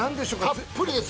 ◆たっぷりですよ。